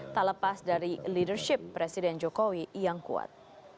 tak lepas dari leadership presiden jokowi yang kuat